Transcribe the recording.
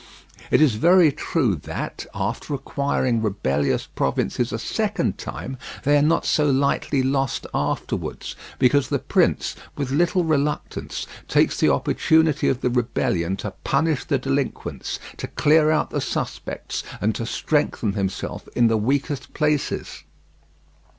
It is very true that, after acquiring rebellious provinces a second time, they are not so lightly lost afterwards, because the prince, with little reluctance, takes the opportunity of the rebellion to punish the delinquents, to clear out the suspects, and to strengthen himself in the weakest places.